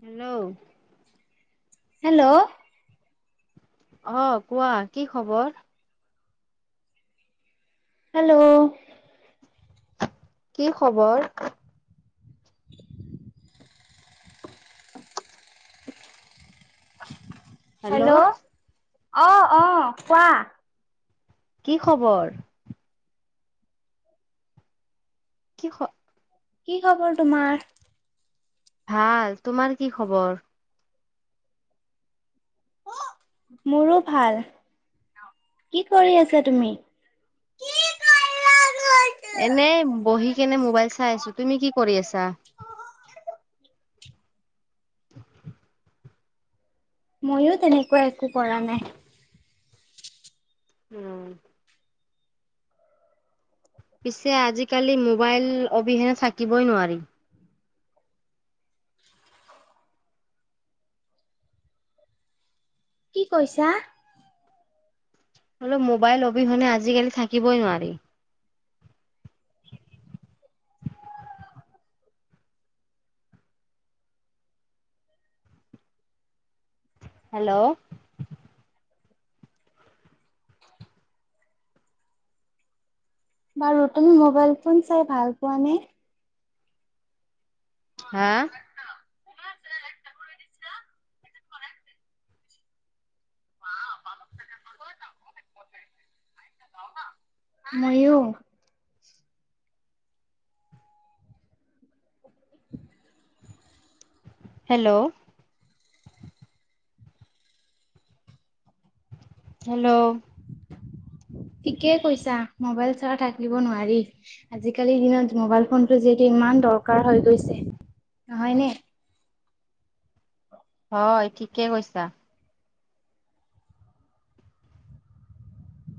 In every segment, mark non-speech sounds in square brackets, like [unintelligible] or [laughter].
Hello. Hello আহ কোৱা কি খবৰ? হেল্ল' কি খবৰ হেল্ল' অ অ কোৱা? কি খবৰ কি শ কি খবৰ তোমাৰ ভাল তোমাৰ কি খবৰ? মোৰো ভাল। কি কৰি আছা তুমি? এনে বহি কেনে মোবাইল চাই আছো তুমি কি কৰি আছা? মইয়ো তেনেকুৱা একো কৰা নাই। উম পিছে আজিকালি মোবাইল অবিহেনে থাকিবই নোৱাৰি। কি কৈছা? হলে মোবাইল অবিহনে আজিকালি থাকিবই নোৱাৰি [inaudible] হেল্ল' বাৰু তুমি মোবাইল ফোন চাই ভাল পোৱা নে হা ময়ুৰ হেল্ল' হেল্ল' ঠিকেই কৈছা মবাইল চাল থাকদিব নোৱাৰি। আজিকালিৰ দিনত মোবাইল ফোনটো যিহেতু ইমান দৰকাৰ হৈ গৈছে নহয় নে? হয় ঠিকে কৈছা।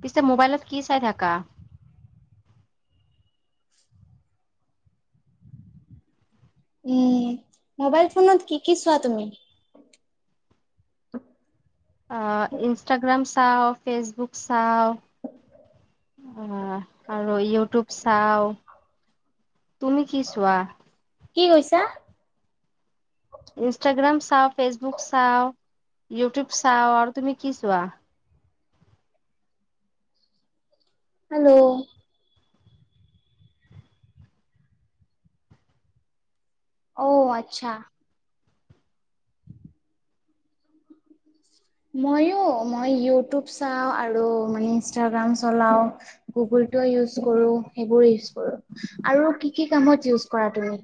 পিছে মোবাইলত কি চাই থাকা? উম মোবাইল ফোনত কি কি চোৱা তুমি? ইনষ্টাগ্ৰাম চাওঁ ফেচবুক চাওঁ অ আৰু ইউটিউব চাও তুমি কি চোৱা? কি কৈছা ইনষ্টাগ্ৰাম চাওঁ ফেচবুক চাওঁ। ইউটিউব চাও আৰু তুমি কি চোৱা। হেল্ল'। অ আতচ্ছা। মইো মই ইউটিউব চাওঁ আৰু মানে ইনষ্টাগ্ৰাম চলাওঁ গুগল। কৰো সেইবোৰ কৰো আৰু কি কি কামত ইজ কৰা তুমি।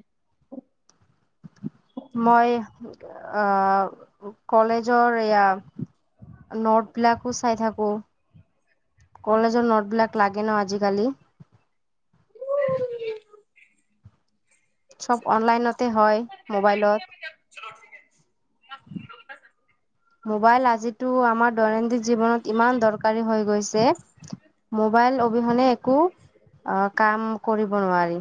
মই অহ কলেজৰ এয়াই। নটবিলাকো চাই থাকো। কলেজৰ নোটবলাক লাগে ন আজিকালি। চব অনলাইনতে হয় মোবাইলত। [unintelligible] মোবাইল আজিটো আমাৰ দৈনন্দিন জীৱনত ইমান দৰকাৰী হৈ গৈছে মোবাইল। অবিহনে একো অ কাম কৰিব নোৱাৰি।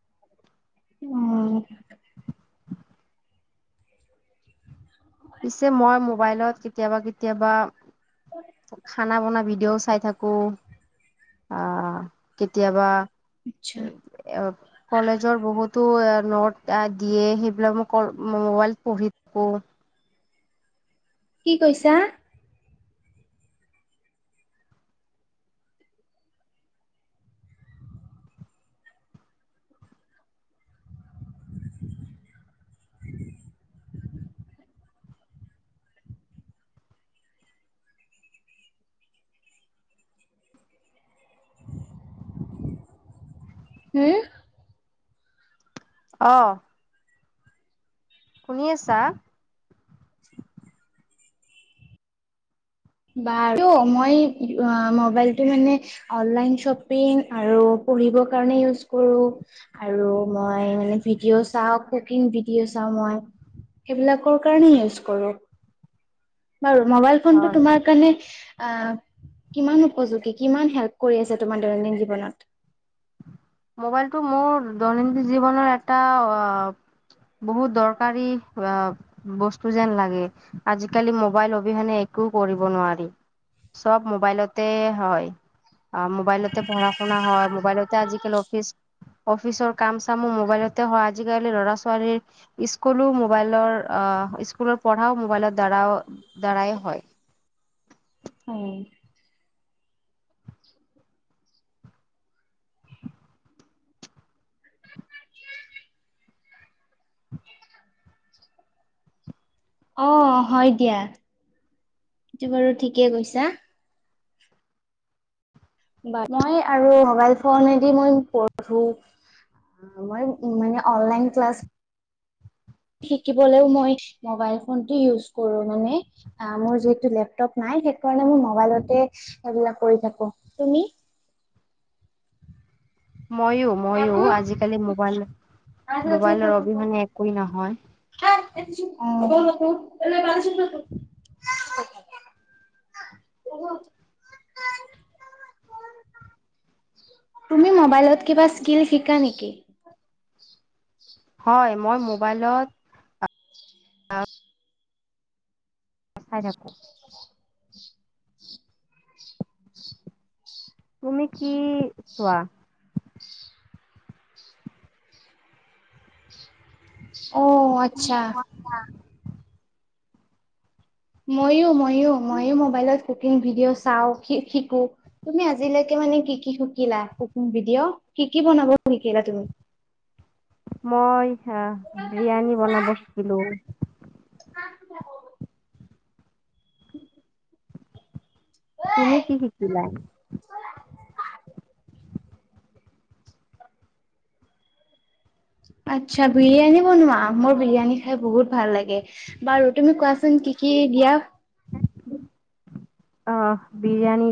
অ। পিছে মই মোবাইলত কেতিয়াবা কেতিয়াবা। খানা বনা ভিডিঅ'ও চাই থাকো, আহ। কেতিয়াবা আচ্ছা এ কলেজৰ বহুতো। নটা দিয়ে সেইবিলাক মই মোবাইল পঢ়ি থাকো। কি কৈছা। হম। অহ? শুনি আছা? বা মই মোবাইলটো মানে অনলাইন শ্বপিং আৰু। পঢ়িবৰ কাৰণে ইউজ কৰোঁ আৰু মই মানে ভিডিঅ' চাওঁ, কুকিং ভিডিঅ' চাওঁ। হেবিলা'কৰ কাৰনে ইওচ কৰো। বাৰু মোবাইল ফোনতটো হয়। তোমাৰ কাৰণে। আহ কিমান উপযোগী কিমান হেল্প কৰি আছে তোমাৰ দৈনন্দিন জীৱনত। মোবাইলটো মোৰ দৈনন্দিন জীৱনৰ এটা অ। বহুত দৰকাৰী অ বস্তু যেন লাগে আজিকালি মোবাইল অবিহনে। একো কৰিব নোৱাৰি চব মোবাইলতে হয়। অ মোবাইলতে পঢ়া শুনা হয় মোবাইলতে আজিকালি অফিচ। অফিচৰ কাম চামো মোবাইলতে হয়, আজিকালি লৰা ছোৱালীৰ স্কুলো মোবাইলৰ অ। অ স্কুলৰ পঢ়াও মোবাইলৰ দ্বাৰাও দ্বাৰাই হয়। [unintelligible] উম। অ হয় দিয়া, এইটো বাৰু ঠিকে কৈছা। বা মই আৰু মোবাইল ফনেদি মই পঢ়ো। মই মানে অনলাইন ক্লাছ। শিকিবলেও মই মোবাইল ফোনটো ইউজ কৰো মানে, অ মোৰ যিহেতু লেপটপ নাই। সেইকাৰণে মবাইলতে সেইবিলাক কৰি থাকো। তুমি? মইও মইও। আজিকালি মোবাইল মোবাইলৰ অবিহনে একোৱে নহয়। অ। বহত। তুমি মোবাইলত কিবা স্কীলচ শিকা নেকি? হয় মই মোবাইলত। চাই থাকো। তুমি কি চোৱা? অ আচ্ছা। মইও মইও মইও মবাইলত কুকিং ভিডিঅ' চাওঁ, শিকো। তুমি আজিলেকে। মানে কি কি শিকিলা কোকিং ভিডিঅ', কি কি বনাব শিকিলা তুমি? মই আ বিৰিয়ানী বনাব শিকিলোঁ। [inaudible] তুমি কি শিকিলা? আচ্ছা বিৰিয়ানী বনোৱাা মোৰ বিৰিয়ানী খাই বহুত ভাল লাগে। বাৰু তুমি কোৱাচোন কি কি দিয়া? অহ বিৰিয়াণি।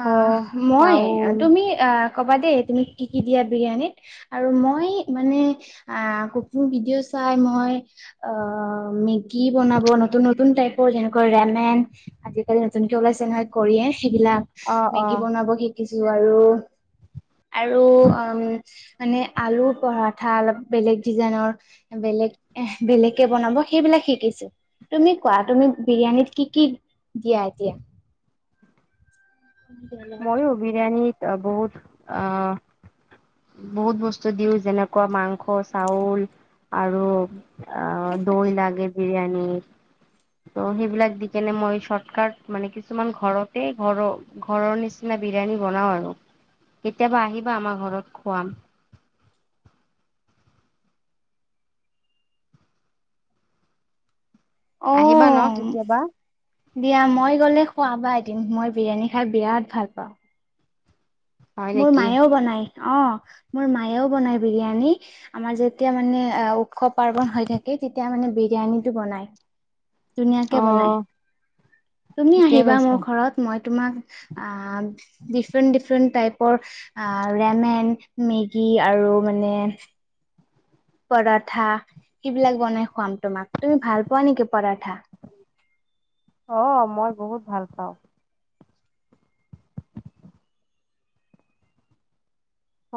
আহ, মই তুমি আহ ক'বা দেই তুমি কি কি দিয়া বিৰিয়ানীত আৰু মই মানে আ কুকিং ভিডিঅ' চাই মই, অ মেগি বনাব নতুন নতুন টাইপৰ যেনেকৈ ৰেমেন আজি কালি নতুনকে ওলাইছে নহয়। কৰিয়ে সেইবিলাক অ অ মেগী বনাব শিকিছো আৰু। আৰু উম মানে আলু পৰঠা অলপ বেলেগ ডিজাইনৰ বে বেলেগ এ বেলেগকে বনাব সেইবিলাক শিকিছো। তুমি কোৱা, তুমি বিৰিয়ানীত কি কি দিয়া এতিয়া? মইো বিৰিয়ানীত বহুত অ বহুত বস্তু দিওঁ যেনেকুৱা মাংস, চাউল আৰু অ দৈ লাগে বিৰিয়ানিত। ত সেইবিলাক দি কেনে মই চৰ্টকাট মানে কিছুমান ঘৰতে ঘৰ ঘৰৰ নিচিনা বিৰিয়ানী বনাও আৰু, কেতিয়াবা আহিবা আমাৰ ঘৰত খুৱাম। [unintelligible] আহিবা ন অ', কেতিয়াবা? দিয়া মই গলে খোৱাবা এদিম। মই বিৰিয়ানী খাই বিৰাট ভাল পাওঁ। হয় মোৰ নেকি মায়েও বনায়। অ মোৰ মায়েও বনাই বিৰিয়ানী, আমাৰ যেতিয়া মানে উৎসৱ পাৰ্বন হৈ থাকে তেতিয়া মানে বিৰিয়ানীটো বনাই। অ ধুনীয়াকে বনাই। তুমি ঠিকে আহিবা মোৰ কৈছা ঘৰত মই তোমাক আহ। ডিফৰেণ্ট ডিফৰেণ্ট টাইপৰ আ ৰেংমেন, মেগী আৰু মানে। পৰঠা সেইবিলাক বনাই খুৱাম তোমাক তুমি ভাল পোৱা নেকি পৰঠা? অ মই বহুত ভাল পাওঁ।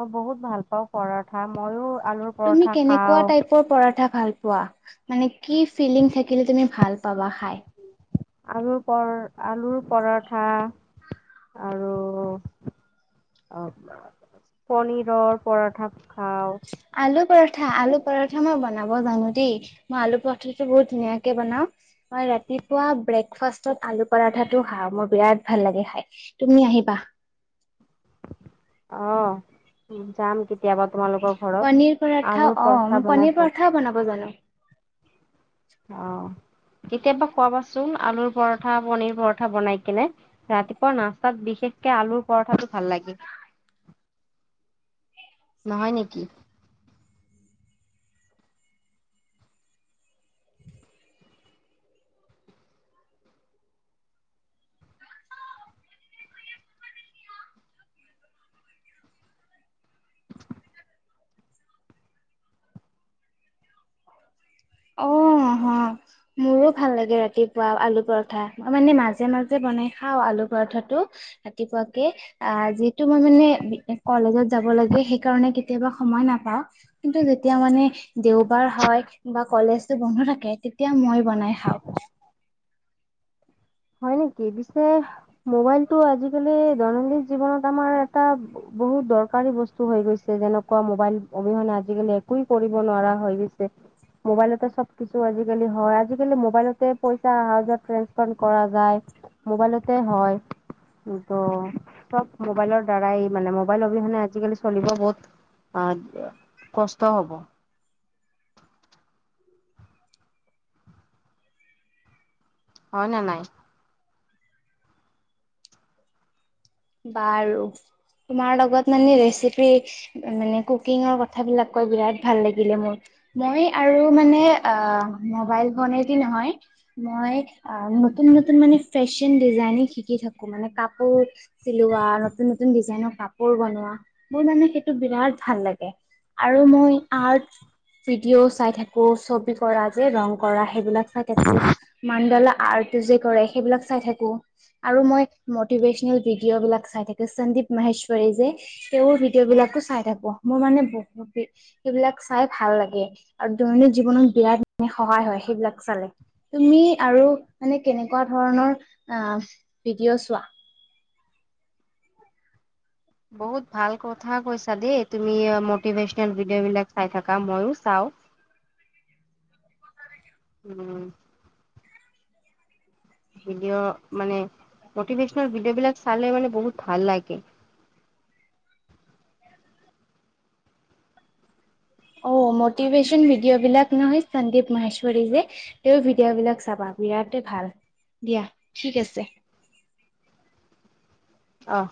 মই বহুত ভাল পাওঁ পৰঠা মইও। তুমি কেনেকুৱা টাইপৰ পৰঠা ভাল হোৱা। মানে কি ফিলিং থাকিলে তুমি ভাল পাবা খাই? আলুৰ পৰ আলুৰ পৰঠা আৰু [unintelligible] অ পনীৰৰ পৰঠা খাওঁ আলু পৰঠা আলু পৰঠা মই বনাব জানো। দেই মই আলু পৰঠাটো বহুত ধুনীয়াকে বনাও। মই ৰাতিপুৱা ব্ৰেকফাষ্টত আলু পাৰাঠ। ঠাটো খা মোৰ বিৰাট ভাল লাগে খাই। তুমি আহিবা। অ যাম কেতি কেতিয়াবা তোমালোকৰ ঘৰত পনীৰ পৰঠা আলুৰ অ', মই পৰঠা বনাই পনীৰ খুৱাবা। পৰঠাও বনাব জানো। অহ কেতিয়াবা খুৱাবাচোন আলুৰ পৰঠা পনিৰ পৰঠা বনাই কিনে ৰাতিপুৱা নাস্তাত বিশেষ কে আলুৰ পৰঠাতটো ভাল লাগে। [inaudible] নহয় নেকি? [unintelligible] অহ, মোৰো ভাল লাগে ৰাতিপুৱা আলু পৰঠা, মানে মাজে মাজে ব মানে খাও আলু পৰথাটো ৰাতিপুৱাকে আ যিটো মানে কলেজ যাব লগে লগে সেইকাৰণে কেতিয়াবা সমান নাপাওঁ। কিন্তু যেতিয়া মানে দেওবাৰ হয় বা। কলেজটো বন্ধ থাকে তেতিয়া মই বনাই খাও। হয় নেকি, পিছে মোবাইলটো আজিকালি দৈনন্দিন জীৱনত আমাৰ এটা বহুত দৰকাৰী বস্তু হৈ গৈছে। যেনেকুৱা মোবাইল অবিহনে আজিকালি একোৱেই কৰিব নোৱাৰা হৈ গৈছে। মোবাইলতে চব কিছু আজিকালি হয়, আজিকালি মোবাইলতে পইচা অহা যোৱা ট্ৰেনস্ফাৰ কৰা যায় মোবাইলতে হয়। ত' চব মোবাইলৰ দ্বাৰাই মানে মোবাইল অবিহনে আজিকালি চলিব বহুত। অহ কষ্ট হব। [inaudible] হয় ন নাই? বাৰু তোমাৰ লগত মানে ৰেচিপি মানে কুকিঙৰ কথাবিলাক কৈ বিৰাট ভাল লাগিলে মোৰ। ময়ে আৰু মানে আহ মোবাইল ফোনে দি নহয়। মই আ নতুন নতুন মানে ফেশ্বন ডিজাইনিং শিকি থাকো মানে কাপোৰ চিলোৱা, নতুন নতুন ডিজাইনৰ কাপোৰ বনোৱা, মোৰ মানে সেইটো বিৰাট ভাল লাগে। আৰু মই আৰ্ট ভিডিঅ' চাই থাকো, ছবি কৰা যে ৰং কৰা সেইবিলাক ত দেখো, মাণ্ডালা আৰ কি যে কৰে সেইবিলাক চাই থাকো আৰু মই মিভেচনেল ভিডিঅ' বিলাক চাই থাকে সন্দীপ মাহেশ্বৰী যে তেওঁৰ ভিডিঅ' হয় বিলাকো চাই থাকো মোৰ মানে বহু বাপৰে সেইবিলাক চাই ভাল লাগে আৰু দৈনন্দিন জীৱনত বিৰাট মানে সহায় হয় সেইবিলাক চালে। তুমি আৰু মানে কেনেকুৱা ধৰণৰ আহ ভিডিঅ' চোৱা? বহুত ভাল কথা কৈছা দেই। তুমি অ মতিভেচনাল ভিডিঅ' বিলাক চাই থাকা, মইয়ো চাওঁ। [inaudible] উম। ভডিঅ' মানে মটিভেচনেল ভিডিঅ' বিলাক চালে মানে বহুত ভাল লাগে। [unintelligible] অ মটিভেচন ভিডিঅ বিলাক নহয় সন্দীপ মহেশ্বৰী যে, তেওঁ ভিডিঅ' বিলাক চাবা। বিৰাটেই ভাল দিয়া ঠিক আছে। অহ।